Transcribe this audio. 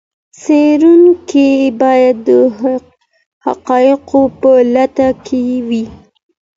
څېړونکی باید د حقایقو په لټه کې وي.